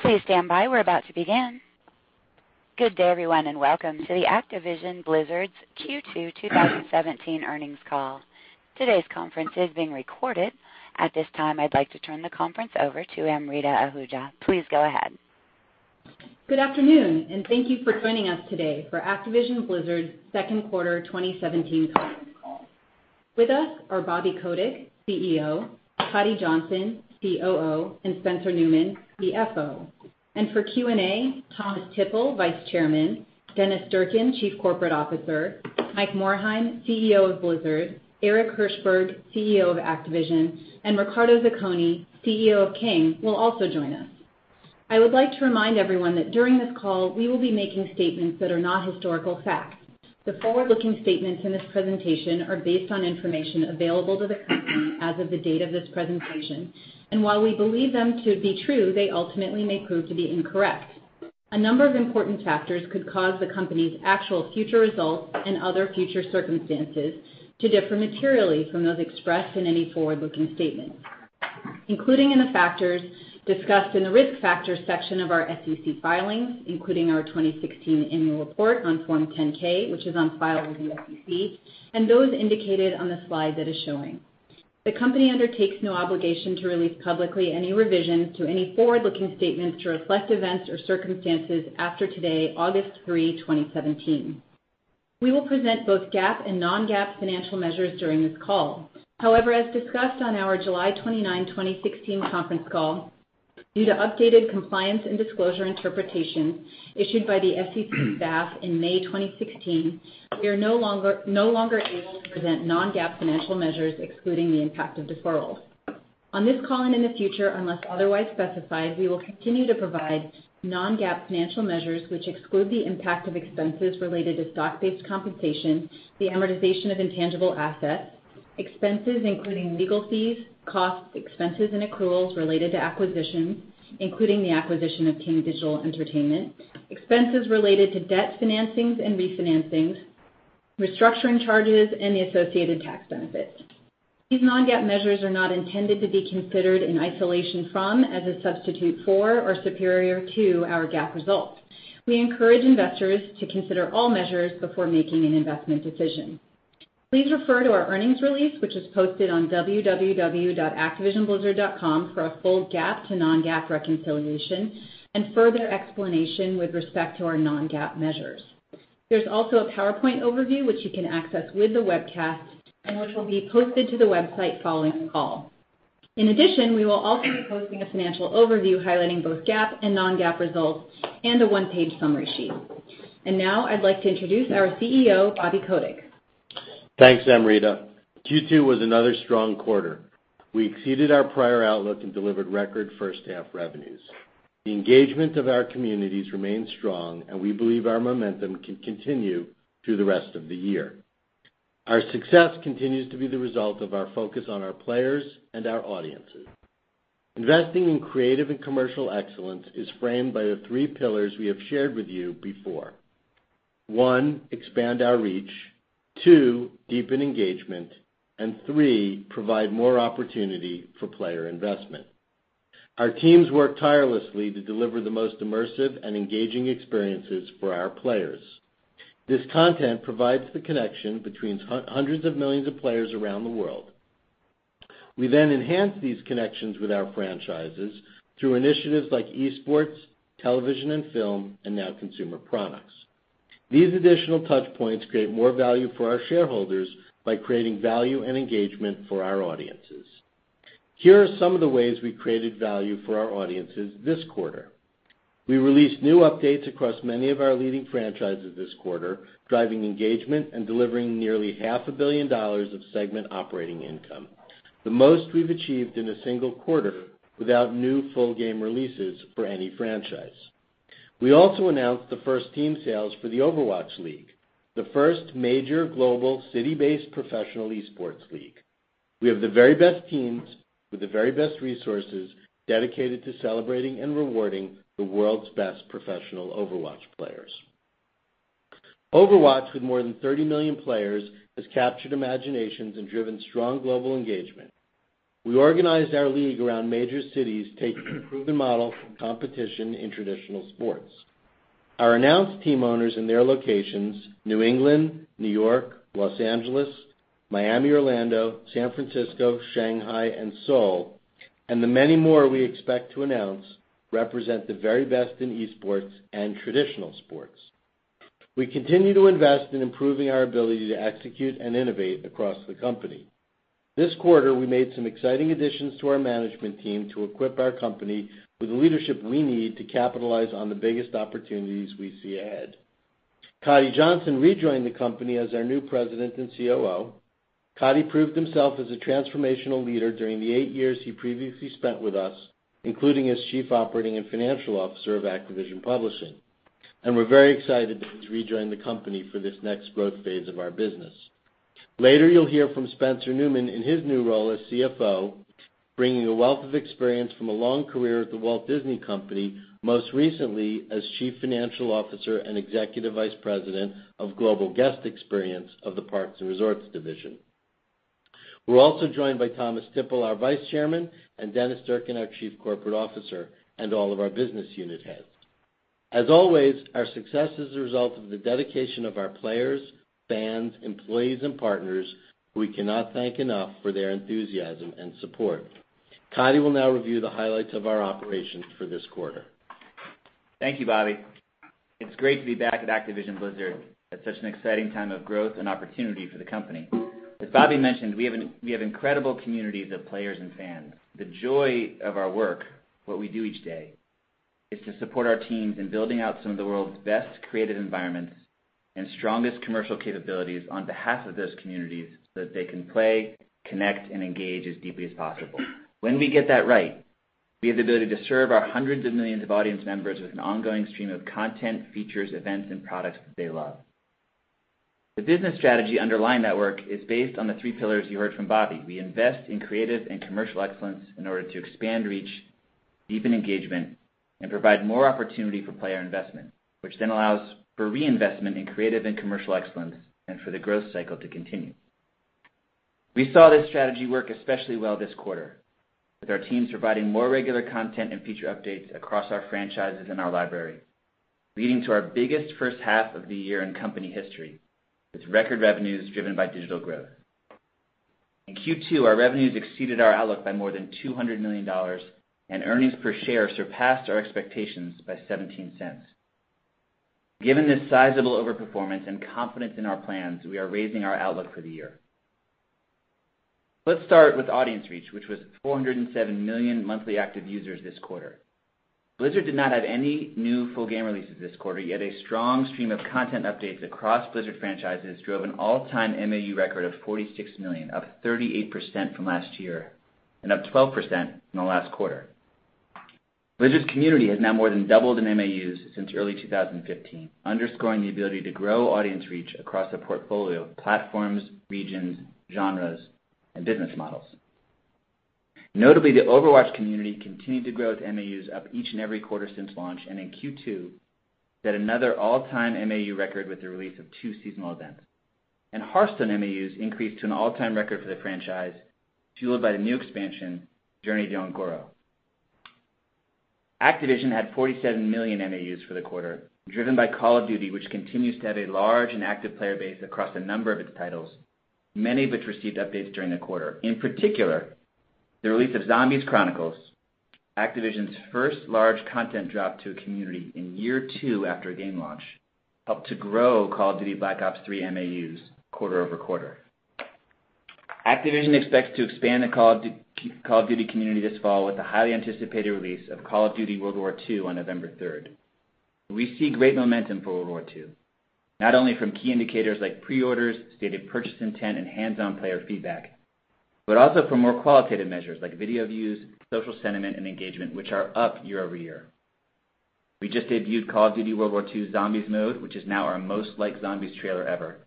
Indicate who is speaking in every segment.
Speaker 1: Please stand by. We're about to begin. Good day, everyone, and welcome to the Activision Blizzard's Q2 2017 earnings call. Today's conference is being recorded. At this time, I'd like to turn the conference over to Amrita Ahuja. Please go ahead.
Speaker 2: Good afternoon, and thank you for joining us today for Activision Blizzard's second quarter 2017 conference call. With us are Bobby Kotick, CEO, Coddy Johnson, COO, and Spencer Neumann, CFO. For Q&A, Thomas Tippl, Vice Chairman, Dennis Durkin, Chief Corporate Officer, Mike Morhaime, CEO of Blizzard, Eric Hirshberg, CEO of Activision, and Riccardo Zacconi, CEO of King, will also join us. I would like to remind everyone that during this call, we will be making statements that are not historical facts. The forward-looking statements in this presentation are based on information available to the company as of the date of this presentation. While we believe them to be true, they ultimately may prove to be incorrect. A number of important factors could cause the company's actual future results and other future circumstances to differ materially from those expressed in any forward-looking statement, including in the factors discussed in the Risk Factors section of our SEC filings, including our 2016 Annual Report on Form 10-K, which is on file with the SEC, and those indicated on the slide that is showing. The company undertakes no obligation to release publicly any revisions to any forward-looking statements to reflect events or circumstances after today, August 3, 2017. We will present both GAAP and non-GAAP financial measures during this call. However, as discussed on our July 29, 2016 conference call, due to updated compliance and disclosure interpretation issued by the SEC staff in May 2016, we are no longer able to present non-GAAP financial measures excluding the impact of deferrals. On this call and in the future, unless otherwise specified, we will continue to provide non-GAAP financial measures which exclude the impact of expenses related to stock-based compensation, the amortization of intangible assets, expenses including legal fees, costs, expenses, and accruals related to acquisitions, including the acquisition of King Digital Entertainment, expenses related to debt financings and refinancings, restructuring charges, and the associated tax benefits. These non-GAAP measures are not intended to be considered in isolation from, as a substitute for, or superior to our GAAP results. We encourage investors to consider all measures before making an investment decision. Please refer to our earnings release, which is posted on www.activisionblizzard.com for a full GAAP to non-GAAP reconciliation and further explanation with respect to our non-GAAP measures. There's also a PowerPoint overview, which you can access with the webcast and which will be posted to the website following the call. In addition, we will also be posting a financial overview highlighting both GAAP and non-GAAP results and a one-page summary sheet. Now I'd like to introduce our CEO, Bobby Kotick.
Speaker 3: Thanks, Amrita. Q2 was another strong quarter. We exceeded our prior outlook and delivered record first-half revenues. The engagement of our communities remains strong, and we believe our momentum can continue through the rest of the year. Our success continues to be the result of our focus on our players and our audiences. Investing in creative and commercial excellence is framed by the three pillars we have shared with you before. One, expand our reach. Two, deepen engagement. Three, provide more opportunity for player investment. Our teams work tirelessly to deliver the most immersive and engaging experiences for our players. This content provides the connection between hundreds of millions of players around the world. We then enhance these connections with our franchises through initiatives like esports, television and film, now consumer products. These additional touchpoints create more value for our shareholders by creating value and engagement for our audiences. Here are some of the ways we created value for our audiences this quarter. We released new updates across many of our leading franchises this quarter, driving engagement and delivering nearly half a billion dollars of segment operating income, the most we've achieved in a single quarter without new full game releases for any franchise. We also announced the first team sales for the Overwatch League, the first major global city-based professional esports league. We have the very best teams with the very best resources dedicated to celebrating and rewarding the world's best professional Overwatch players. Overwatch, with more than 30 million players, has captured imaginations and driven strong global engagement. We organized our league around major cities taking a proven model from competition in traditional sports. Our announced team owners and their locations, New England, New York, Los Angeles, Miami-Orlando, San Francisco, Shanghai, and Seoul, and the many more we expect to announce represent the very best in esports and traditional sports. We continue to invest in improving our ability to execute and innovate across the company. This quarter, we made some exciting additions to our management team to equip our company with the leadership we need to capitalize on the biggest opportunities we see ahead. Coddy Johnson rejoined the company as our new President and COO. Coddy proved himself as a transformational leader during the eight years he previously spent with us, including as Chief Operating and Financial Officer of Activision Publishing. We're very excited that he's rejoined the company for this next growth phase of our business. Later, you'll hear from Spencer Neumann in his new role as CFO, bringing a wealth of experience from a long career at The Walt Disney Company, most recently as Chief Financial Officer and Executive Vice President of Global Guest Experience of the Parks and Resorts Division. We're also joined by Thomas Tippl, our Vice Chairman, and Dennis Durkin, our Chief Corporate Officer, and all of our business unit heads. As always, our success is a result of the dedication of our players, fans, employees, and partners who we cannot thank enough for their enthusiasm and support. Coddy will now review the highlights of our operations for this quarter.
Speaker 4: Thank you, Bobby. It's great to be back at Activision Blizzard at such an exciting time of growth and opportunity for the company. As Bobby mentioned, we have incredible communities of players and fans. The joy of our work, what we do each day, is to support our teams in building out some of the world's best creative environments and strongest commercial capabilities on behalf of those communities so that they can play, connect, and engage as deeply as possible. When we get that right, we have the ability to serve our hundreds of millions of audience members with an ongoing stream of content, features, events, and products that they love. The business strategy underlying that work is based on the three pillars you heard from Bobby. We invest in creative and commercial excellence in order to expand reach, deepen engagement, and provide more opportunity for player investment, which then allows for reinvestment in creative and commercial excellence and for the growth cycle to continue. We saw this strategy work especially well this quarter with our teams providing more regular content and feature updates across our franchises and our library, leading to our biggest first half of the year in company history, with record revenues driven by digital growth. In Q2, our revenues exceeded our outlook by more than $200 million, and earnings per share surpassed our expectations by $0.17. Given this sizable over-performance and confidence in our plans, we are raising our outlook for the year. Let's start with audience reach, which was 407 million monthly active users this quarter. Blizzard did not have any new full game releases this quarter. A strong stream of content updates across Blizzard franchises drove an all-time MAU record of 46 million, up 38% from last year and up 12% from the last quarter. Blizzard's community has now more than doubled in MAUs since early 2015, underscoring the ability to grow audience reach across a portfolio of platforms, regions, genres, and business models. Notably, the Overwatch community continued to grow with MAUs up each and every quarter since launch, and in Q2 set another all-time MAU record with the release of two seasonal events. Hearthstone MAUs increased to an all-time record for the franchise, fueled by the new expansion, Journey to Un'Goro. Activision had 47 million MAUs for the quarter, driven by Call of Duty, which continues to have a large and active player base across a number of its titles, many of which received updates during the quarter. In particular, the release of Zombies Chronicles, Activision's first large content drop to a community in year two after a game launch, helped to grow Call of Duty: Black Ops III MAUs quarter-over-quarter. Activision expects to expand the Call of Duty community this fall with the highly anticipated release of Call of Duty: World War II on November 3rd. We see great momentum for World War II, not only from key indicators like pre-orders, stated purchase intent, and hands-on player feedback, but also from more qualitative measures like video views, social sentiment, and engagement, which are up year-over-year. We just debuted Call of Duty: World War II's Zombies mode, which is now our most liked Zombies trailer ever.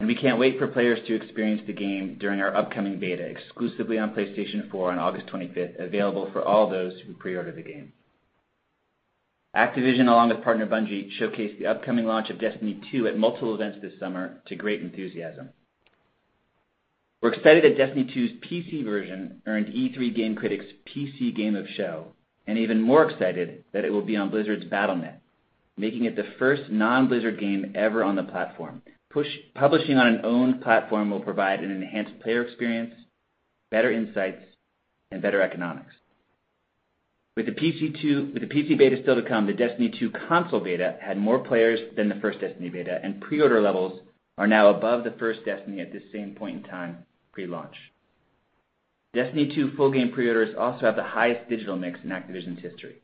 Speaker 4: We can't wait for players to experience the game during our upcoming beta, exclusively on PlayStation 4 on August 25th, available for all those who pre-order the game. Activision, along with partner Bungie, showcased the upcoming launch of Destiny 2 at multiple events this summer to great enthusiasm. We're excited that Destiny 2's PC version earned E3 Game Critics' PC Game of Show, and even more excited that it will be on Blizzard's Battle.net, making it the first non-Blizzard game ever on the platform. Publishing on an owned platform will provide an enhanced player experience, better insights, and better economics. With the PC beta still to come, the Destiny 2 console beta had more players than the first Destiny beta, and pre-order levels are now above the first Destiny at this same point in time pre-launch. Destiny 2 full game pre-orders also have the highest digital mix in Activision's history.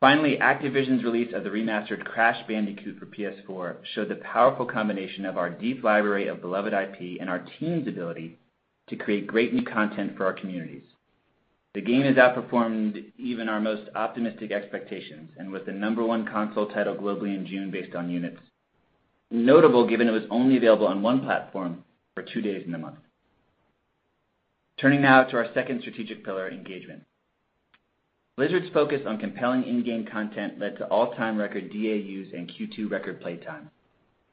Speaker 4: Finally, Activision's release of the remastered Crash Bandicoot for PS4 showed the powerful combination of our deep library of beloved IP and our team's ability to create great new content for our communities. The game has outperformed even our most optimistic expectations and was the number one console title globally in June based on units. Notable given it was only available on one platform for two days in the month. Turning now to our second strategic pillar, engagement. Blizzard's focus on compelling in-game content led to all-time record DAUs and Q2 record play time.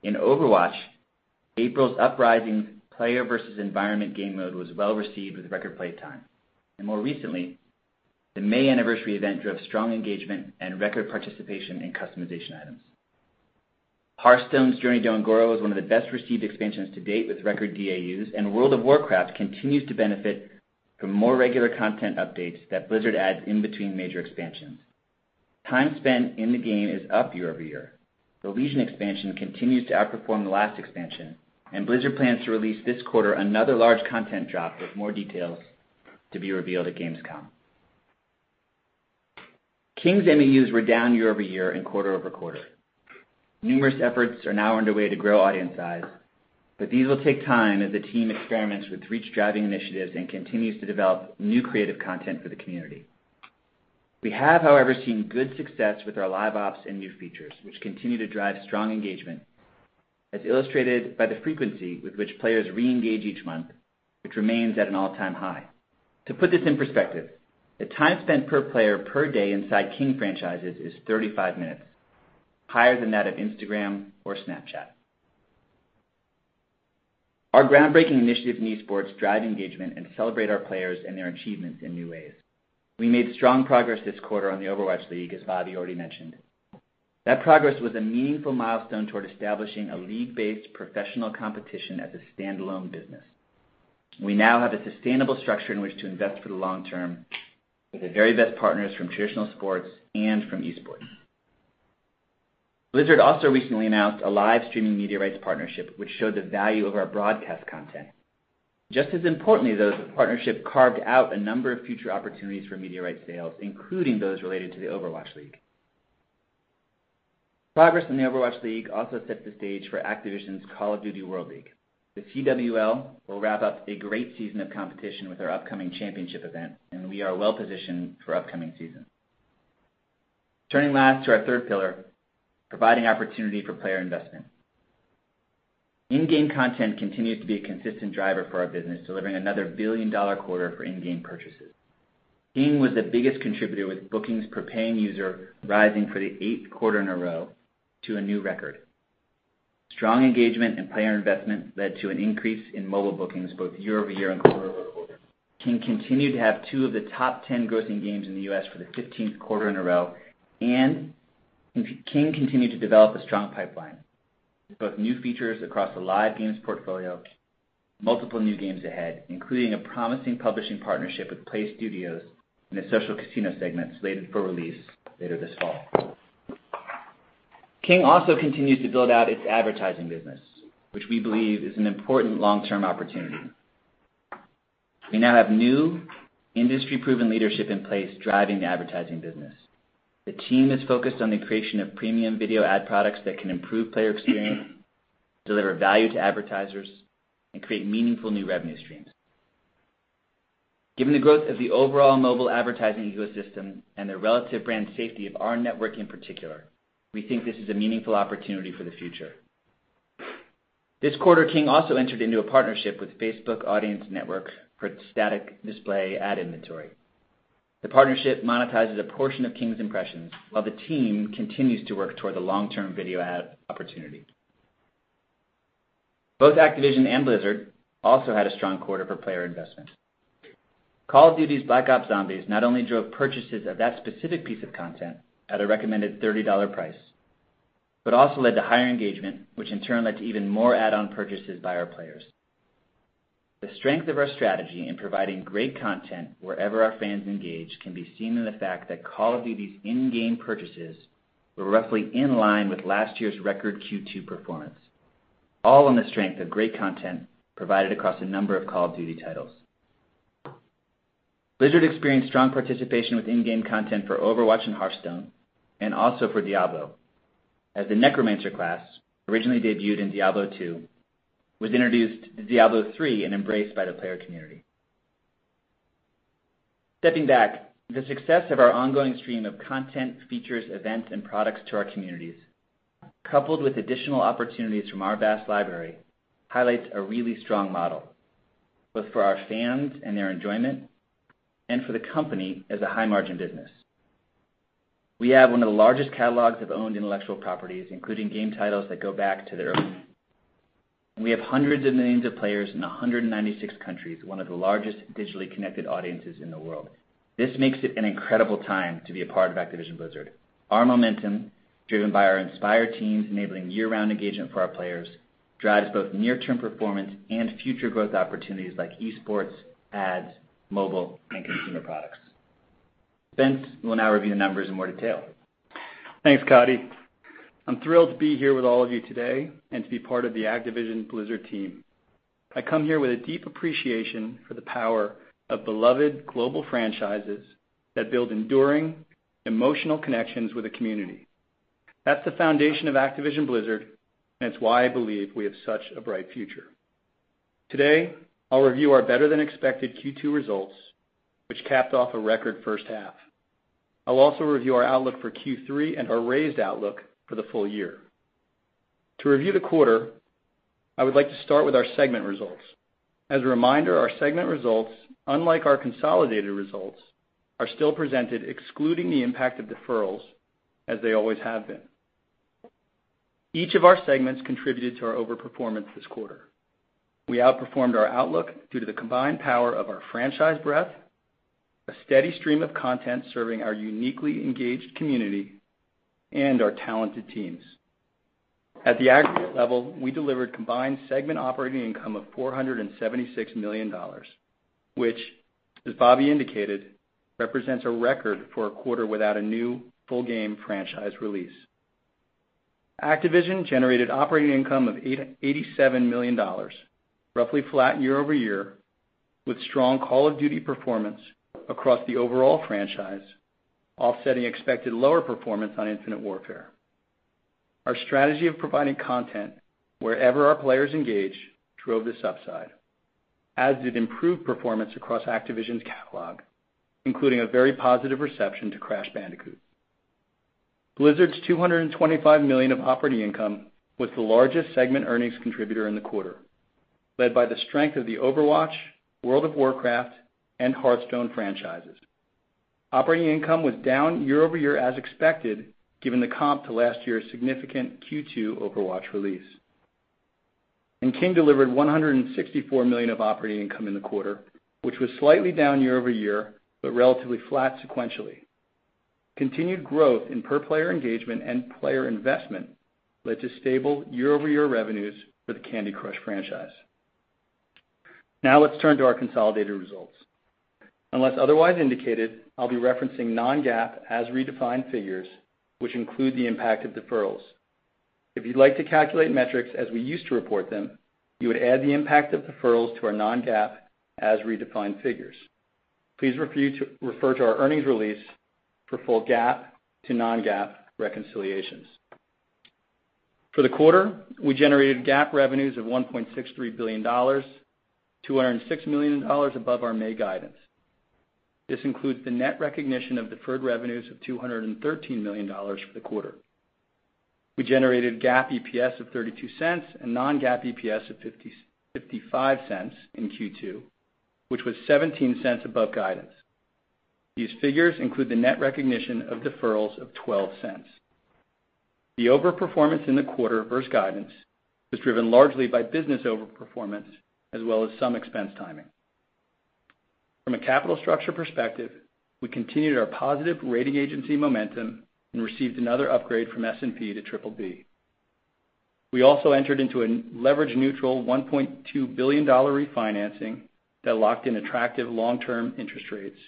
Speaker 4: In Overwatch, April's Uprising player versus environment game mode was well-received with record play time. More recently, the May anniversary event drove strong engagement and record participation in customization items. Hearthstone's Journey to Un'Goro was one of the best-received expansions to date with record DAUs, and World of Warcraft continues to benefit from more regular content updates that Blizzard adds in between major expansions. Time spent in the game is up year-over-year. The Legion expansion continues to outperform the last expansion, and Blizzard plans to release this quarter another large content drop with more details to be revealed at Gamescom. King's MAUs were down year-over-year and quarter-over-quarter. Numerous efforts are now underway to grow audience size, but these will take time as the team experiments with reach-driving initiatives and continues to develop new creative content for the community. We have, however, seen good success with our live ops and new features, which continue to drive strong engagement, as illustrated by the frequency with which players re-engage each month, which remains at an all-time high. To put this in perspective, the time spent per player per day inside King franchises is 35 minutes. Higher than that of Instagram or Snapchat. Our groundbreaking initiative in esports drive engagement and celebrate our players and their achievements in new ways. We made strong progress this quarter on the Overwatch League, as Bobby already mentioned. That progress was a meaningful milestone toward establishing a league-based professional competition as a standalone business. We now have a sustainable structure in which to invest for the long term with the very best partners from traditional sports and from esports. Blizzard also recently announced a live streaming media rights partnership, which showed the value of our broadcast content. Just as importantly, though, the partnership carved out a number of future opportunities for media rights sales, including those related to the Overwatch League. Progress in the Overwatch League also set the stage for Activision's Call of Duty World League. The CWL will wrap up a great season of competition with our upcoming championship event. We are well-positioned for upcoming seasons. Turning last to our third pillar, providing opportunity for player investment. In-game content continues to be a consistent driver for our business, delivering another billion-dollar quarter for in-game purchases. King was the biggest contributor, with bookings per paying user rising for the eighth quarter in a row to a new record. Strong engagement and player investment led to an increase in mobile bookings both year-over-year and quarter-over-quarter. King continued to have two of the top 10 grossing games in the U.S. for the 15th quarter in a row. King continued to develop a strong pipeline with both new features across the live games portfolio, multiple new games ahead, including a promising publishing partnership with Playstudios in the social casino segment slated for release later this fall. King also continues to build out its advertising business, which we believe is an important long-term opportunity. We now have new industry-proven leadership in place driving the advertising business. The team is focused on the creation of premium video ad products that can improve player experience, deliver value to advertisers, and create meaningful new revenue streams. Given the growth of the overall mobile advertising ecosystem and the relative brand safety of our network in particular, we think this is a meaningful opportunity for the future. This quarter, King also entered into a partnership with Facebook Audience Network for its static display ad inventory. The partnership monetizes a portion of King's impressions while the team continues to work toward the long-term video ad opportunity. Both Activision and Blizzard also had a strong quarter for player investment. Call of Duty's Black Ops Zombies not only drove purchases of that specific piece of content at a recommended $30 price, but also led to higher engagement, which in turn led to even more add-on purchases by our players. The strength of our strategy in providing great content wherever our fans engage can be seen in the fact that Call of Duty's in-game purchases were roughly in line with last year's record Q2 performance, all on the strength of great content provided across a number of Call of Duty titles. Blizzard experienced strong participation with in-game content for Overwatch and Hearthstone, and also for Diablo, as the Necromancer class, originally debuted in Diablo II, was introduced to Diablo III and embraced by the player community. Stepping back, the success of our ongoing stream of content, features, events, and products to our communities, coupled with additional opportunities from our vast library, highlights a really strong model both for our fans and their enjoyment and for the company as a high-margin business. We have one of the largest catalogs of owned intellectual properties, including game titles that go back to the early. We have hundreds of millions of players in 196 countries, one of the largest digitally connected audiences in the world. This makes it an incredible time to be a part of Activision Blizzard. Our momentum, driven by our inspired teams enabling year-round engagement for our players, drives both near-term performance and future growth opportunities like esports, ads, mobile, and consumer products. Spence will now review the numbers in more detail.
Speaker 5: Thanks, Coddy. I'm thrilled to be here with all of you today and to be part of the Activision Blizzard team. I come here with a deep appreciation for the power of beloved global franchises that build enduring emotional connections with a community. That's the foundation of Activision Blizzard, and it's why I believe we have such a bright future. Today, I'll review our better-than-expected Q2 results, which capped off a record first half. I'll also review our outlook for Q3 and our raised outlook for the full year. To review the quarter, I would like to start with our segment results. As a reminder, our segment results, unlike our consolidated results, are still presented excluding the impact of deferrals as they always have been. Each of our segments contributed to our overperformance this quarter. We outperformed our outlook due to the combined power of our franchise breadth, a steady stream of content serving our uniquely engaged community, and our talented teams. At the aggregate level, we delivered combined segment operating income of $476 million, which, as Bobby indicated, represents a record for a quarter without a new full game franchise release. Activision generated operating income of $87 million, roughly flat year-over-year, with strong Call of Duty performance across the overall franchise, offsetting expected lower performance on Infinite Warfare. Our strategy of providing content wherever our players engage drove this upside, as did improved performance across Activision's catalog, including a very positive reception to Crash Bandicoot. Blizzard's $225 million of operating income was the largest segment earnings contributor in the quarter. Led by the strength of the Overwatch, World of Warcraft, and Hearthstone franchises. Operating income was down year-over-year as expected, given the comp to last year's significant Q2 Overwatch release. King delivered $164 million of operating income in the quarter, which was slightly down year-over-year, but relatively flat sequentially. Continued growth in per-player engagement and player investment led to stable year-over-year revenues for the Candy Crush franchise. Let's turn to our consolidated results. Unless otherwise indicated, I'll be referencing non-GAAP, as redefined figures, which include the impact of deferrals. If you'd like to calculate metrics as we used to report them, you would add the impact of deferrals to our non-GAAP, as redefined figures. Please refer to our earnings release for full GAAP to non-GAAP reconciliations. For the quarter, we generated GAAP revenues of $1.63 billion, $206 million above our May guidance. This includes the net recognition of deferred revenues of $213 million for the quarter. We generated GAAP EPS of $0.32 and non-GAAP EPS of $0.55 in Q2, which was $0.17 above guidance. These figures include the net recognition of deferrals of $0.12. The overperformance in the quarter versus guidance was driven largely by business overperformance, as well as some expense timing. From a capital structure perspective, we continued our positive rating agency momentum and received another upgrade from S&P to triple B. We also entered into a leverage neutral $1.2 billion refinancing that locked in attractive long-term interest rates,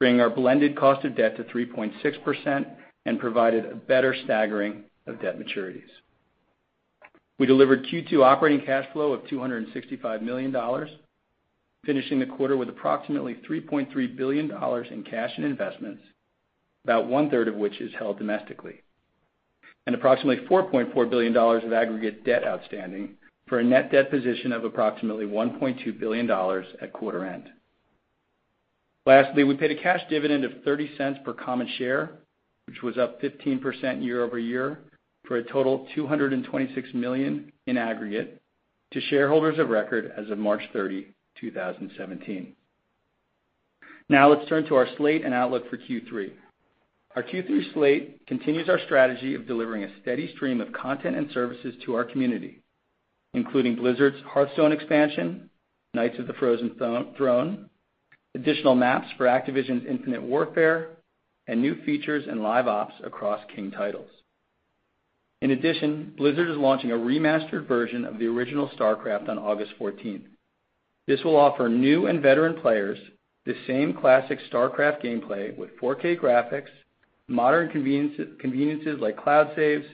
Speaker 5: bringing our blended cost of debt to 3.6% and provided a better staggering of debt maturities. We delivered Q2 operating cash flow of $265 million, finishing the quarter with approximately $3.3 billion in cash and investments, about one-third of which is held domestically, and approximately $4.4 billion of aggregate debt outstanding for a net debt position of approximately $1.2 billion at quarter-end. Lastly, we paid a cash dividend of $0.30 per common share, which was up 15% year-over-year for a total of $226 million in aggregate to shareholders of record as of March 30, 2017. Let's turn to our slate and outlook for Q3. Our Q3 slate continues our strategy of delivering a steady stream of content and services to our community, including Blizzard's Hearthstone expansion, Knights of the Frozen Throne, additional maps for Activision's Infinite Warfare, and new features and live ops across King titles. In addition, Blizzard is launching a remastered version of the original StarCraft on August 14th. This will offer new and veteran players the same classic StarCraft gameplay with 4K graphics, modern conveniences like cloud saves,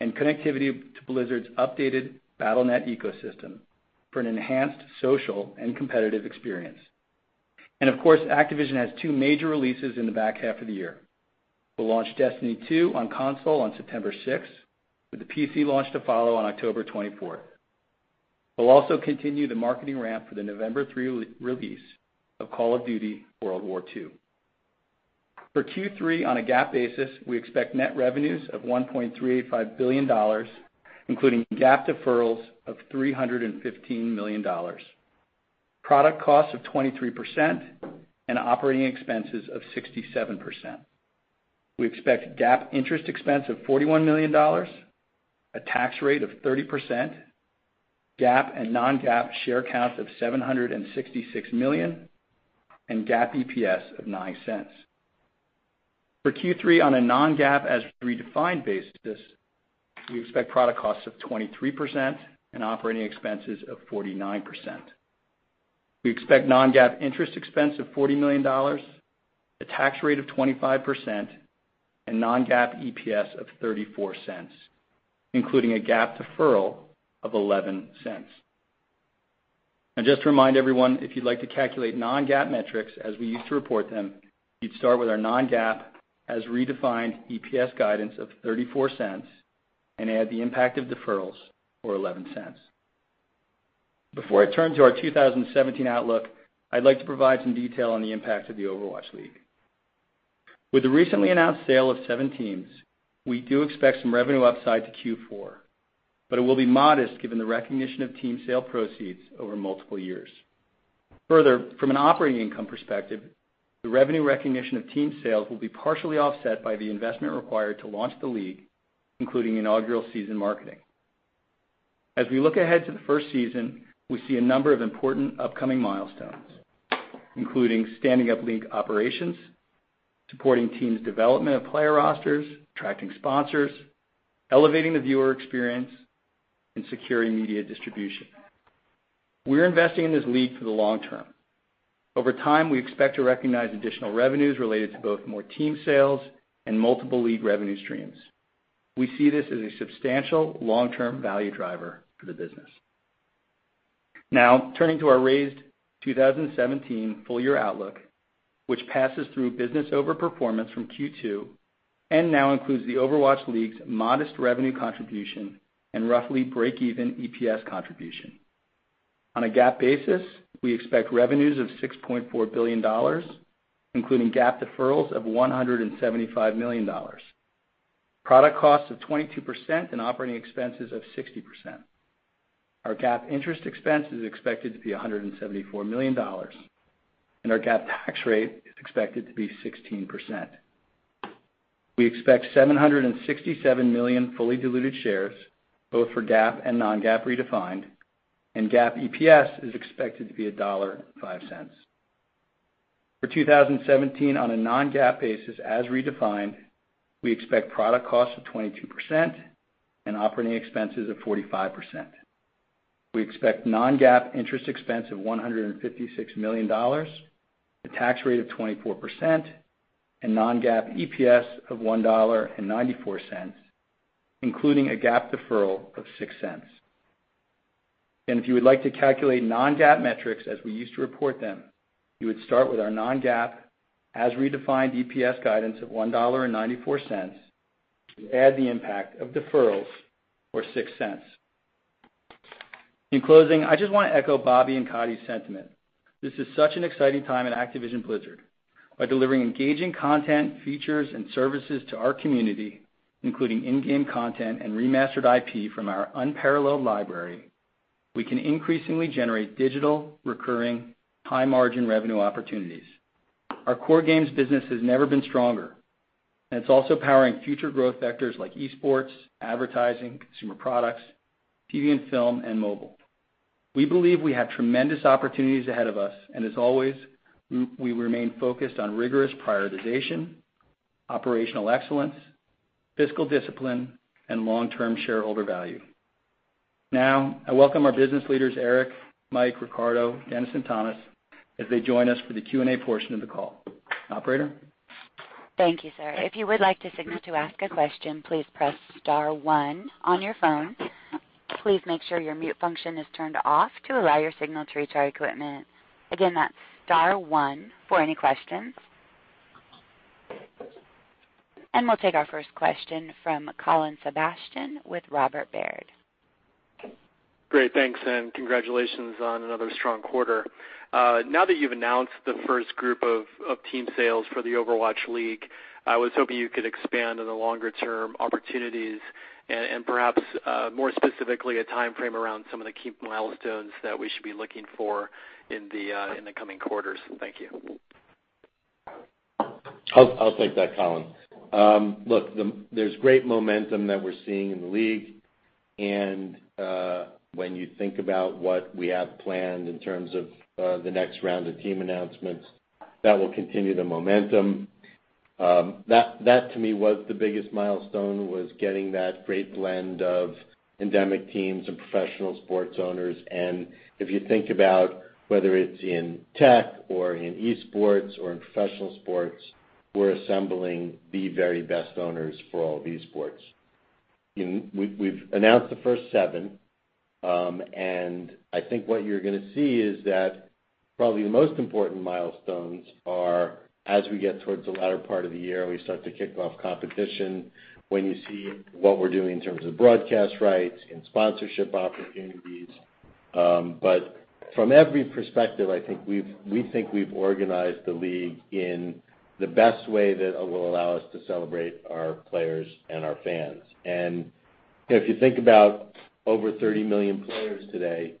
Speaker 5: and connectivity to Blizzard's updated Battle.net ecosystem for an enhanced social and competitive experience. Of course, Activision has two major releases in the back half of the year. We'll launch Destiny 2 on console on September 6th, with the PC launch to follow on October 24th. We'll also continue the marketing ramp for the November 3 release of Call of Duty: WWII. For Q3 on a GAAP basis, we expect net revenues of $1.385 billion, including GAAP deferrals of $315 million, product costs of 23%, and operating expenses of 67%. We expect GAAP interest expense of $41 million, a tax rate of 30%, GAAP and non-GAAP share count of 766 million, and GAAP EPS of $0.09. For Q3 on a non-GAAP as redefined basis, we expect product costs of 23% and operating expenses of 49%. We expect non-GAAP interest expense of $40 million, a tax rate of 25%, and non-GAAP EPS of $0.34, including a GAAP deferral of $0.11. Just to remind everyone, if you'd like to calculate non-GAAP metrics as we used to report them, you'd start with our non-GAAP as redefined EPS guidance of $0.34 and add the impact of deferrals for $0.11. Before I turn to our 2017 outlook, I'd like to provide some detail on the impact of the Overwatch League. With the recently announced sale of seven teams, we do expect some revenue upside to Q4, but it will be modest given the recognition of team sale proceeds over multiple years. From an operating income perspective, the revenue recognition of team sales will be partially offset by the investment required to launch the league, including inaugural season marketing. As we look ahead to the first season, we see a number of important upcoming milestones, including standing up league operations, supporting teams' development of player rosters, attracting sponsors, elevating the viewer experience, and securing media distribution. We're investing in this league for the long term. Over time, we expect to recognize additional revenues related to both more team sales and multiple league revenue streams. We see this as a substantial long-term value driver for the business. Turning to our raised 2017 full-year outlook, which passes through business overperformance from Q2 and now includes the Overwatch League's modest revenue contribution and roughly break-even EPS contribution. On a GAAP basis, we expect revenues of $6.4 billion, including GAAP deferrals of $175 million. Product costs of 22% and operating expenses of 60%. Our GAAP interest expense is expected to be $174 million, and our GAAP tax rate is expected to be 16%. We expect 767 million fully diluted shares, both for GAAP and non-GAAP redefined, and GAAP EPS is expected to be $1.05. For 2017, on a non-GAAP basis as redefined, we expect product costs of 22% and operating expenses of 45%. We expect non-GAAP interest expense of $156 million, a tax rate of 24%, and non-GAAP EPS of $1.94, including a GAAP deferral of $0.06. If you would like to calculate non-GAAP metrics as we used to report them, you would start with our non-GAAP as redefined EPS guidance of $1.94 and add the impact of deferrals or $0.06. In closing, I just want to echo Bobby and Coddy's sentiment. This is such an exciting time at Activision Blizzard. By delivering engaging content, features, and services to our community, including in-game content and remastered IP from our unparalleled library, we can increasingly generate digital, recurring, high-margin revenue opportunities. Our core games business has never been stronger, and it's also powering future growth vectors like esports, advertising, consumer products, TV and film, and mobile. We believe we have tremendous opportunities ahead of us, and as always, we remain focused on rigorous prioritization, operational excellence, fiscal discipline, and long-term shareholder value. I welcome our business leaders, Eric, Mike, Riccardo, Dennis, and Thomas, as they join us for the Q&A portion of the call. Operator?
Speaker 1: Thank you, sir. If you would like to signal to ask a question, please press star one on your phone. Please make sure your mute function is turned off to allow your signal to reach our equipment. Again, that's star one for any questions. We'll take our first question from Colin Sebastian with Robert W. Baird.
Speaker 6: Great, thanks, and congratulations on another strong quarter. Now that you've announced the first group of team sales for the Overwatch League, I was hoping you could expand on the longer-term opportunities and perhaps more specifically, a timeframe around some of the key milestones that we should be looking for in the coming quarters. Thank you.
Speaker 3: I'll take that, Colin. Look, there's great momentum that we're seeing in the league, and when you think about what we have planned in terms of the next round of team announcements, that will continue the momentum. That to me was the biggest milestone, was getting that great blend of endemic teams and professional sports owners. If you think about whether it's in tech or in esports or in professional sports, we're assembling the very best owners for all of esports. We've announced the first seven, and I think what you're going to see is that probably the most important milestones are as we get towards the latter part of the year and we start to kick off competition, when you see what we're doing in terms of broadcast rights and sponsorship opportunities. From every perspective, we think we've organized the league in the best way that will allow us to celebrate our players and our fans. If you think about over 30 million players today,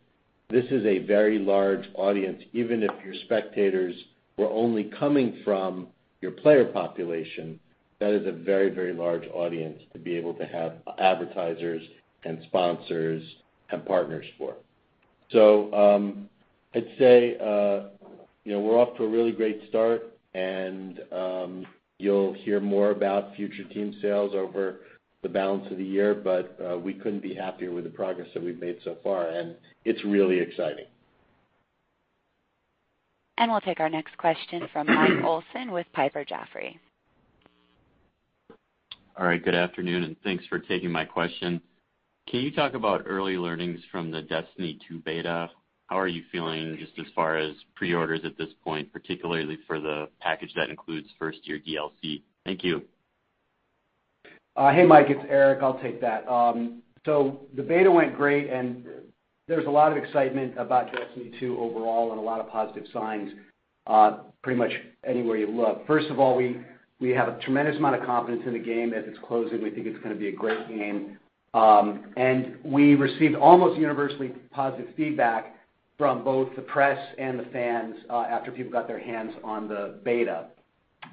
Speaker 3: this is a very large audience. Even if your spectators were only coming from your player population, that is a very large audience to be able to have advertisers and sponsors and partners for. I'd say, we're off to a really great start, and you'll hear more about future team sales over the balance of the year, but we couldn't be happier with the progress that we've made so far. It's really exciting.
Speaker 1: We'll take our next question from Michael Olson with Piper Jaffray.
Speaker 7: All right. Good afternoon, thanks for taking my question. Can you talk about early learnings from the Destiny 2 beta? How are you feeling just as far as pre-orders at this point, particularly for the package that includes first-year DLC? Thank you.
Speaker 8: Hey, Mike, it's Eric. I'll take that. The beta went great, and there's a lot of excitement about Destiny 2 overall and a lot of positive signs pretty much anywhere you look. First of all, we have a tremendous amount of confidence in the game as it's closing. We think it's going to be a great game. We received almost universally positive feedback from both the press and the fans after people got their hands on the beta.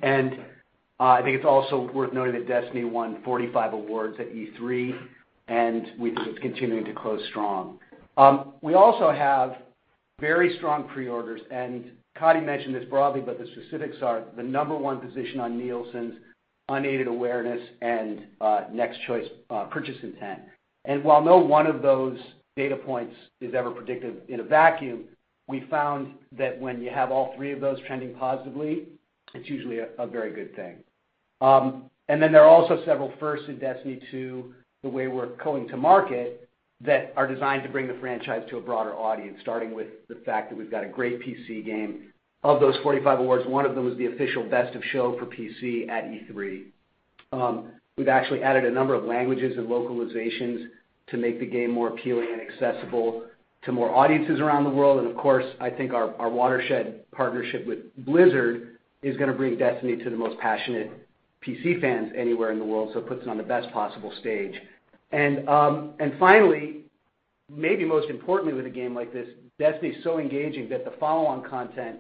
Speaker 8: I think it's also worth noting that Destiny won 45 awards at E3, and it's continuing to close strong. We also have very strong pre-orders, and Coddy mentioned this broadly, but the specifics are the number one position on Nielsen's unaided awareness and next choice purchase intent. While no one of those data points is ever predictive in a vacuum, we found that when you have all three of those trending positively, it's usually a very good thing. Then there are also several firsts in Destiny 2, the way we're going to market, that are designed to bring the franchise to a broader audience, starting with the fact that we've got a great PC game. Of those 45 awards, one of them was the official best of show for PC at E3. We've actually added a number of languages and localizations to make the game more appealing and accessible to more audiences around the world. Of course, I think our watershed partnership with Blizzard is going to bring Destiny to the most passionate PC fans anywhere in the world, so it puts it on the best possible stage.
Speaker 5: Finally, maybe most importantly with a game like this, Destiny is so engaging that the follow-on content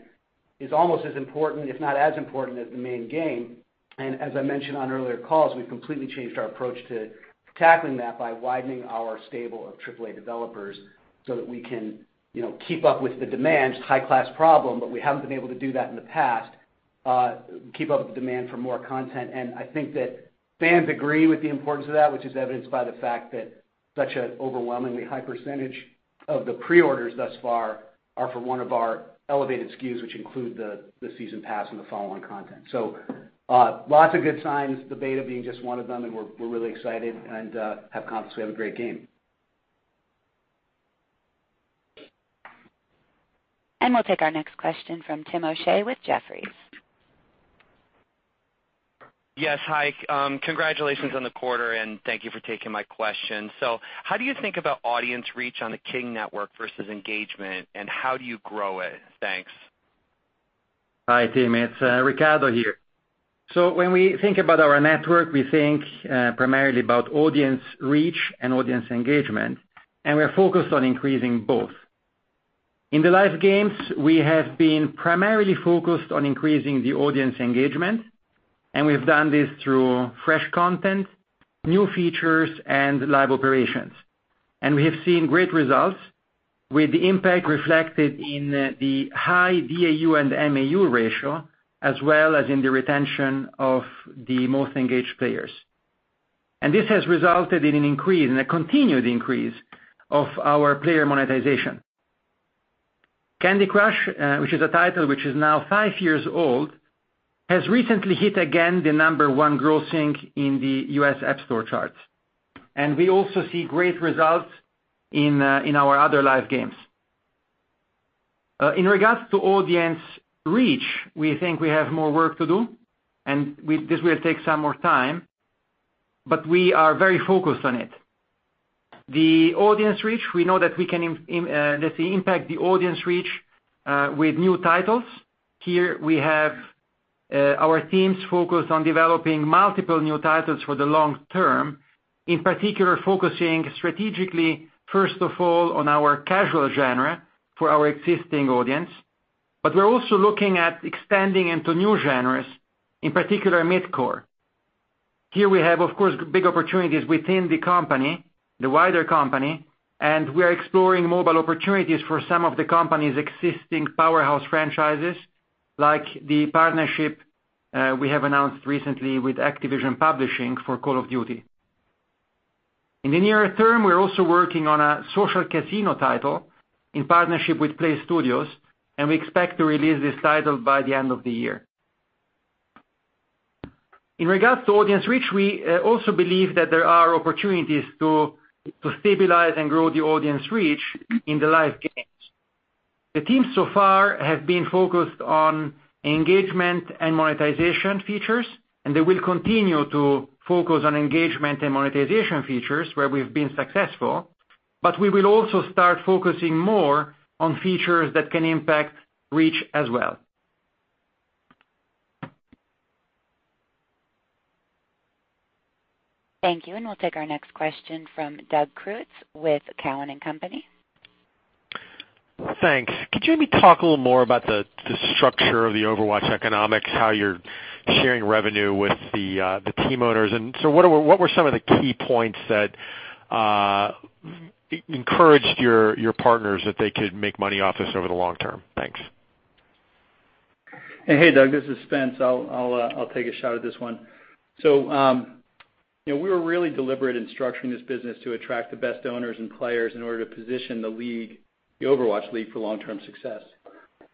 Speaker 5: is almost as important, if not as important as the main game. As I mentioned on earlier calls, we've completely changed our approach to tackling that by widening our stable of AAA developers so that we can keep up with the demand. High-class problem. We haven't been able to do that in the past, keep up with demand for more content. I think that fans agree with the importance of that, which is evidenced by the fact that such an overwhelmingly high percentage of the pre-orders thus far are for one of our elevated SKUs, which include the season pass and the follow-on content. Lots of good signs, the beta being just one of them, and we're really excited and have confidence we have a great game.
Speaker 1: We'll take our next question from Timothy O'Shea with Jefferies.
Speaker 9: Yes. Hi. Congratulations on the quarter, and thank you for taking my question. How do you think about audience reach on the King network versus engagement, and how do you grow it? Thanks.
Speaker 10: Hi, Tim. It's Riccardo here. When we think about our network, we think primarily about audience reach and audience engagement, and we are focused on increasing both. In the live games, we have been primarily focused on increasing the audience engagement, and we've done this through fresh content, new features, and live operations. We have seen great results with the impact reflected in the high DAU and MAU ratio, as well as in the retention of the most engaged players. This has resulted in an increase and a continued increase of our player monetization. Candy Crush, which is a title which is now five years old, has recently hit again the number one grossing in the U.S. App Store charts. We also see great results in our other live games. In regards to audience reach, we think we have more work to do, and this will take some more time, but we are very focused on it. The audience reach, we know that we can impact the audience reach with new titles. Here we have our teams focused on developing multiple new titles for the long term, in particular focusing strategically, first of all, on our casual genre for our existing audience. We're also looking at expanding into new genres, in particular mid-core. Here, we have, of course, big opportunities within the company, the wider company, and we are exploring mobile opportunities for some of the company's existing powerhouse franchises, like the partnership we have announced recently with Activision Publishing for Call of Duty. In the near term, we're also working on a social casino title in partnership with Playstudios, and we expect to release this title by the end of the year. In regards to audience reach, we also believe that there are opportunities to stabilize and grow the audience reach in the live games. The teams so far have been focused on engagement and monetization features, and they will continue to focus on engagement and monetization features where we've been successful, but we will also start focusing more on features that can impact reach as well.
Speaker 1: Thank you. We'll take our next question from Doug Creutz with Cowen and Company.
Speaker 11: Thanks. Could you maybe talk a little more about the structure of the Overwatch economics, how you're sharing revenue with the team owners? What were some of the key points that encouraged your partners that they could make money off this over the long term? Thanks.
Speaker 5: Hey, Doug, this is Spencer. I'll take a shot at this one. We were really deliberate in structuring this business to attract the best owners and players in order to position the league, the Overwatch League, for long-term success.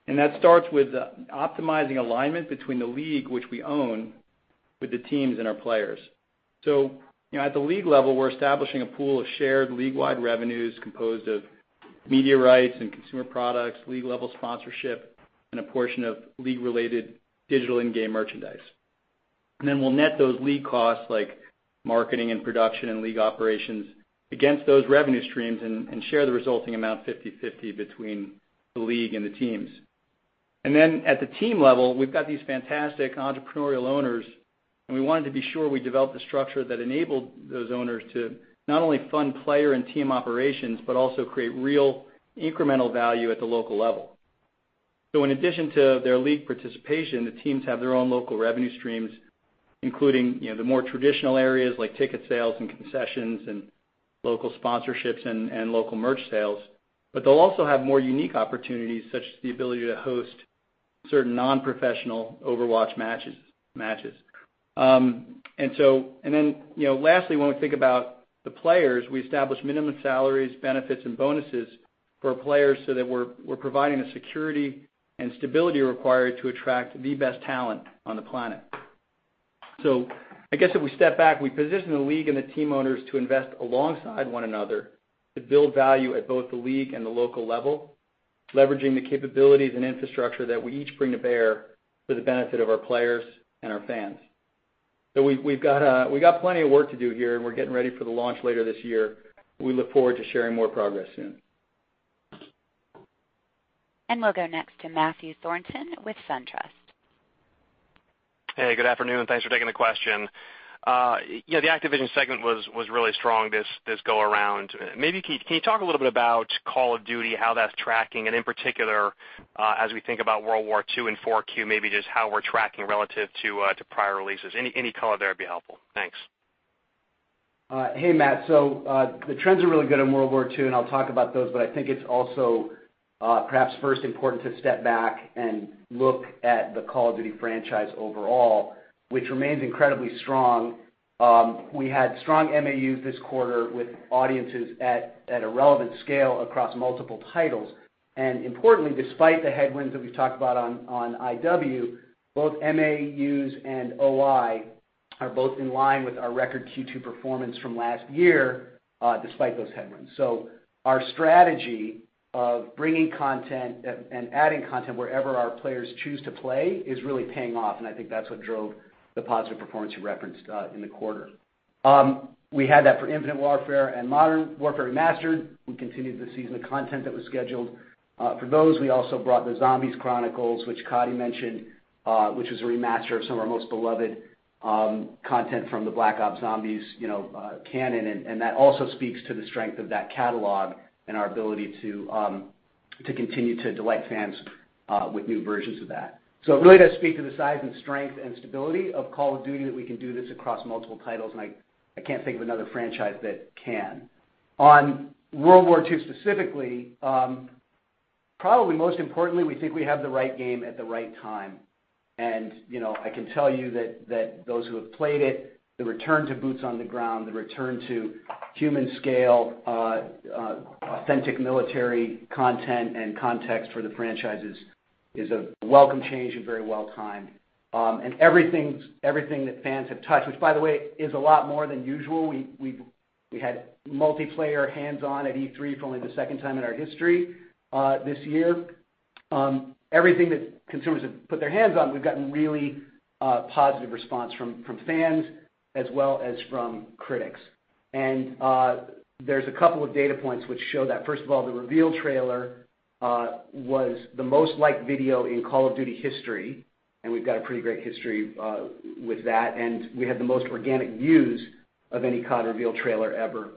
Speaker 5: That starts with optimizing alignment between the league, which we own, with the teams and our players. At the league level, we're establishing a pool of shared league-wide revenues composed of media rights and consumer products, league-level sponsorship, and a portion of league-related digital in-game merchandise. We'll net those league costs like marketing and production and league operations against those revenue streams and share the resulting amount 50/50 between the league and the teams. At the team level, we've got these fantastic entrepreneurial owners, and we wanted to be sure we developed a structure that enabled those owners to not only fund player and team operations, but also create real incremental value at the local level. In addition to their league participation, the teams have their own local revenue streams, including the more traditional areas like ticket sales and concessions and local sponsorships and local merch sales. They'll also have more unique opportunities, such as the ability to host certain non-professional Overwatch matches. Lastly, when we think about the players, we establish minimum salaries, benefits, and bonuses for players so that we're providing the security and stability required to attract the best talent on the planet. I guess if we step back, we position the league and the team owners to invest alongside one another to build value at both the league and the local level, leveraging the capabilities and infrastructure that we each bring to bear for the benefit of our players and our fans. We've got plenty of work to do here, and we're getting ready for the launch later this year. We look forward to sharing more progress soon.
Speaker 1: We'll go next to Matthew Thornton with SunTrust.
Speaker 12: Hey, good afternoon. Thanks for taking the question. The Activision segment was really strong this go around. Can you talk a little bit about "Call of Duty," how that's tracking, and in particular, as we think about World War II in 4Q, just how we're tracking relative to prior releases. Any color there would be helpful. Thanks.
Speaker 8: Hey, Matt. The trends are really good in World War II, I'll talk about those, I think it's also perhaps first important to step back and look at the "Call of Duty" franchise overall, which remains incredibly strong. We had strong MAUs this quarter with audiences at a relevant scale across multiple titles. Importantly, despite the headwinds that we've talked about on IW, both MAUs and OI are both in line with our record Q2 performance from last year, despite those headwinds. Our strategy of bringing content and adding content wherever our players choose to play is really paying off, I think that's what drove the positive performance you referenced in the quarter. We had that for "Infinite Warfare" and "Modern Warfare Remastered." We continued the season of content that was scheduled. For those, we also brought the "Zombies Chronicles," which Coddy mentioned, which was a remaster of some of our most beloved content from the "Black Ops Zombies" canon. That also speaks to the strength of that catalog and our ability to continue to delight fans with new versions of that. It really does speak to the size and strength and stability of "Call of Duty" that we can do this across multiple titles, I can't think of another franchise that can. On World War II specifically, probably most importantly, we think we have the right game at the right time. I can tell you that those who have played it, the return to boots on the ground, the return to human scale, authentic military content and context for the franchises is a welcome change and very well-timed. Everything that fans have touched, which, by the way, is a lot more than usual. We had multiplayer hands-on at E3 for only the second time in our history this year. Everything that consumers have put their hands on, we've gotten really positive response from fans as well as from critics. There's a couple of data points which show that. First of all, the reveal trailer was the most liked video in "Call of Duty" history, we've got a pretty great history with that, we had the most organic views of any CoD reveal trailer ever.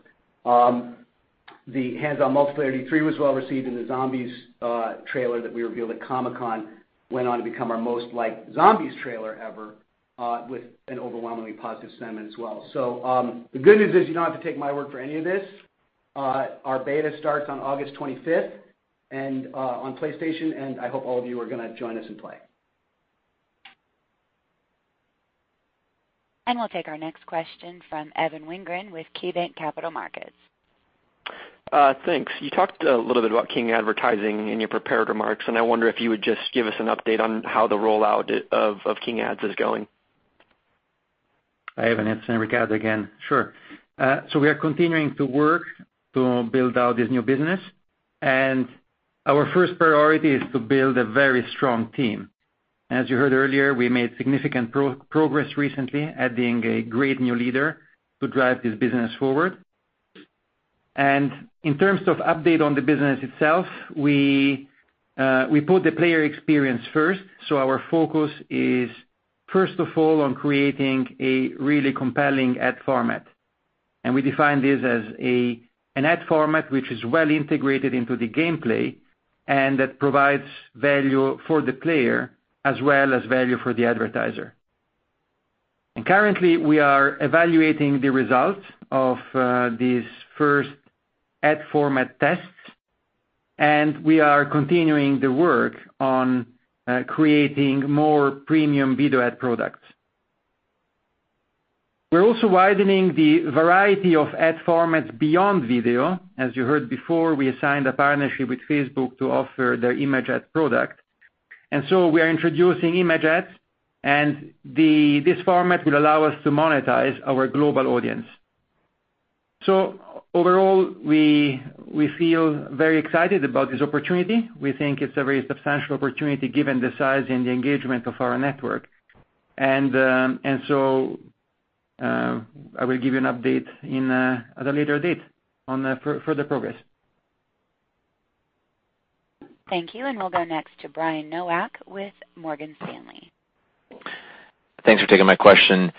Speaker 8: The hands-on multiplayer at E3 was well-received, the "Zombies" trailer that we revealed at Comic-Con went on to become our most liked "Zombies" trailer ever with an overwhelmingly positive sentiment as well. The good news is you don't have to take my word for any of this. Our beta starts on August 25th on PlayStation. I hope all of you are going to join us and play.
Speaker 1: We'll take our next question from Evan Wingren with KeyBanc Capital Markets.
Speaker 13: Thanks. You talked a little bit about King advertising in your prepared remarks. I wonder if you would just give us an update on how the rollout of King ads is going.
Speaker 10: Hi, Evan. It's Riccardo Zacconi again. Sure. We are continuing to work to build out this new business. Our first priority is to build a very strong team. As you heard earlier, we made significant progress recently, adding a great new leader to drive this business forward. In terms of update on the business itself, we put the player experience first. Our focus is first of all on creating a really compelling ad format. We define this as an ad format which is well integrated into the gameplay and that provides value for the player as well as value for the advertiser. Currently, we are evaluating the results of these first ad format tests. We are continuing the work on creating more premium video ad products. We're also widening the variety of ad formats beyond video. As you heard before, we assigned a partnership with Facebook to offer their image ad product. We are introducing image ads, and this format will allow us to monetize our global audience. Overall, we feel very excited about this opportunity. We think it's a very substantial opportunity given the size and the engagement of our network. I will give you an update at a later date on further progress.
Speaker 1: Thank you. We'll go next to Brian Nowak with Morgan Stanley.
Speaker 14: Thanks for taking my question.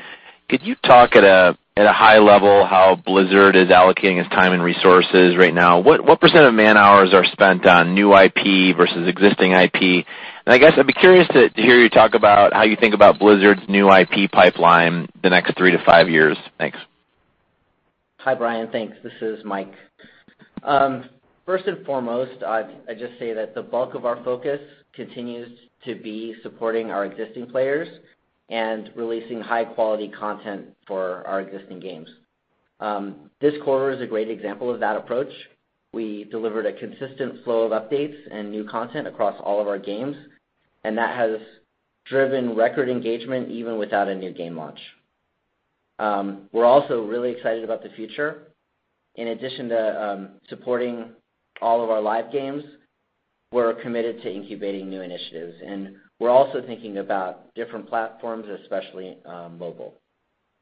Speaker 14: Could you talk at a high level how Blizzard is allocating its time and resources right now? What % of man-hours are spent on new IP versus existing IP? I guess I'd be curious to hear you talk about how you think about Blizzard's new IP pipeline the next three to five years. Thanks.
Speaker 15: Hi, Brian. Thanks. This is Mike. First and foremost, I'd just say that the bulk of our focus continues to be supporting our existing players and releasing high-quality content for our existing games. This quarter is a great example of that approach. We delivered a consistent flow of updates and new content across all of our games, and that has driven record engagement even without a new game launch. We're also really excited about the future. In addition to supporting all of our live games, we're committed to incubating new initiatives, and we're also thinking about different platforms, especially mobile.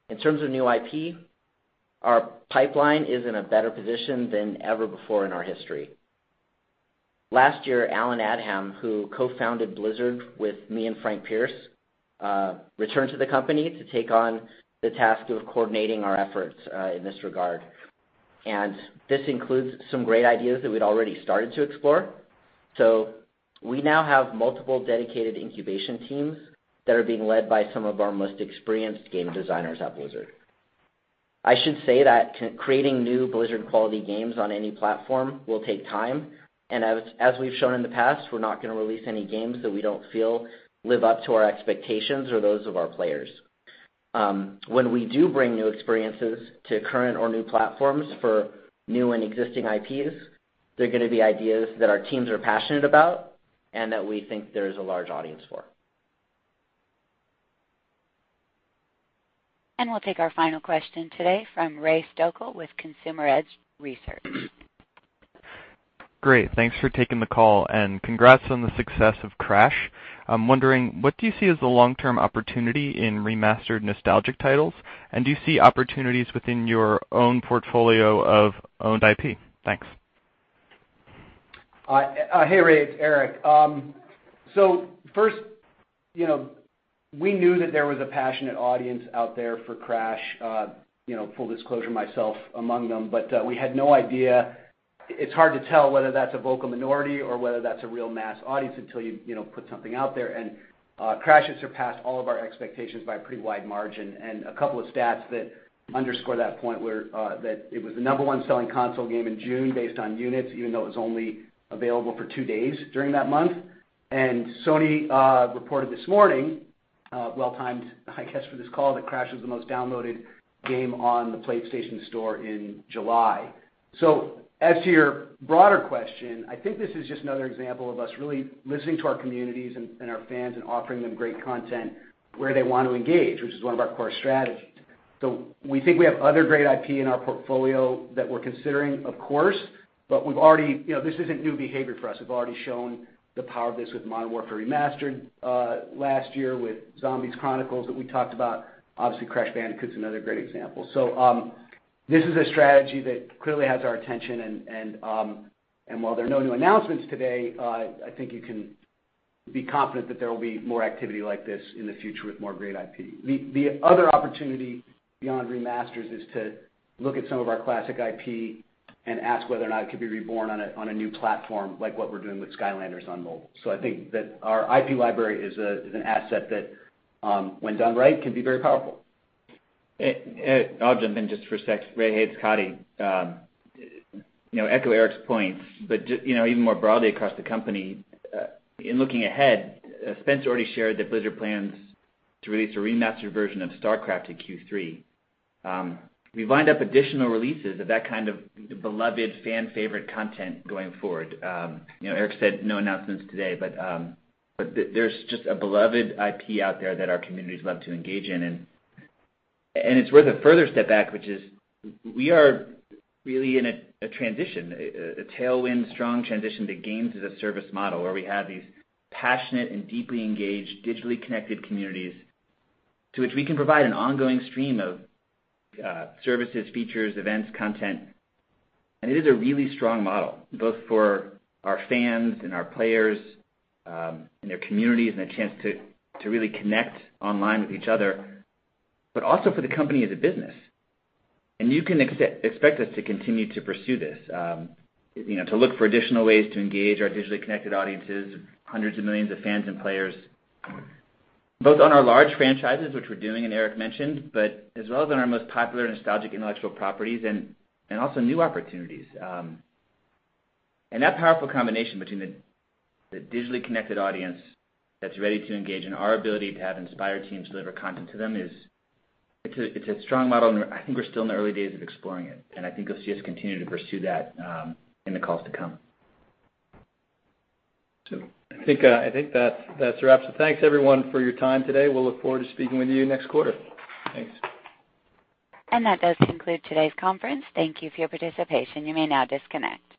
Speaker 15: In terms of new IP Our pipeline is in a better position than ever before in our history. Last year, Allen Adham, who co-founded Blizzard with me and Frank Pearce, returned to the company to take on the task of coordinating our efforts in this regard. This includes some great ideas that we'd already started to explore. We now have multiple dedicated incubation teams that are being led by some of our most experienced game designers at Blizzard. I should say that creating new Blizzard-quality games on any platform will take time, and as we've shown in the past, we're not going to release any games that we don't feel live up to our expectations or those of our players. When we do bring new experiences to current or new platforms for new and existing IPs, they're going to be ideas that our teams are passionate about and that we think there is a large audience for.
Speaker 1: We'll take our final question today from Ray Stochel with Consumer Edge Research.
Speaker 16: Great. Thanks for taking the call, and congrats on the success of Crash. I'm wondering, what do you see as the long-term opportunity in remastered nostalgic titles? Do you see opportunities within your own portfolio of owned IP? Thanks.
Speaker 8: Hey, Ray, it's Eric. First, we knew that there was a passionate audience out there for Crash, full disclosure, myself among them, but we had no idea. It's hard to tell whether that's a vocal minority or whether that's a real mass audience until you put something out there. Crash has surpassed all of our expectations by a pretty wide margin, and a couple of stats that underscore that point were that it was the number one selling console game in June based on units, even though it was only available for two days during that month. Sony reported this morning, well-timed, I guess, for this call, that Crash was the most downloaded game on the PlayStation Store in July. As to your broader question, I think this is just another example of us really listening to our communities and our fans and offering them great content where they want to engage, which is one of our core strategies. We think we have other great IP in our portfolio that we're considering, of course, but this isn't new behavior for us. We've already shown the power of this with Modern Warfare Remastered last year with Zombies Chronicles that we talked about. Obviously, Crash Bandicoot's another great example. This is a strategy that clearly has our attention, and while there are no new announcements today, I think you can be confident that there will be more activity like this in the future with more great IP. The other opportunity beyond remasters is to look at some of our classic IP and ask whether or not it could be reborn on a new platform, like what we're doing with Skylanders on mobile. I think that our IP library is an asset that, when done right, can be very powerful.
Speaker 4: I'll jump in just for a sec. Ray, hey, it's Coddyy. To echo Eric's points, but even more broadly across the company, in looking ahead, Spence already shared that Blizzard plans to release a remastered version of StarCraft in Q3. We've lined up additional releases of that kind of beloved fan favorite content going forward. Eric said no announcements today, but there's just a beloved IP out there that our communities love to engage in. It's worth a further step back, which is we are really in a transition, a tailwind strong transition to games as a service model, where we have these passionate and deeply engaged, digitally connected communities to which we can provide an ongoing stream of services, features, events, content. It is a really strong model, both for our fans and our players and their communities and a chance to really connect online with each other, but also for the company as a business. You can expect us to continue to pursue this to look for additional ways to engage our digitally connected audiences of hundreds of millions of fans and players, both on our large franchises, which we're doing, and Eric mentioned, but as well as on our most popular nostalgic intellectual properties and also new opportunities. That powerful combination between the digitally connected audience that's ready to engage and our ability to have inspired teams deliver content to them is a strong model, and I think we're still in the early days of exploring it, and I think you'll see us continue to pursue that in the calls to come. I think that's a wrap. Thanks everyone for your time today. We'll look forward to speaking with you next quarter. Thanks.
Speaker 1: That does conclude today's conference. Thank you for your participation. You may now disconnect.